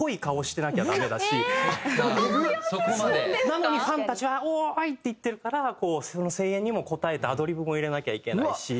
なのにファンたちは「おおー！ファイト！」って言ってるからその声援にも応えてアドリブも入れなきゃいけないし。